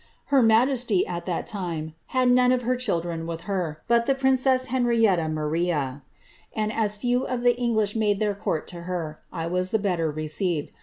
Her majesty, at that time, had none of her children with her, but the princess Henrietta Maria; and as few of the English made their court to her, I was the better received.